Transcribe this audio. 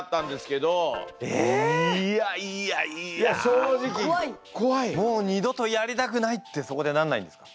正直もう二度とやりたくないってそこでなんないんですか？